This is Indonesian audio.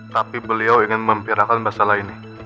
tapi beliau ingin mempirakan masalah ini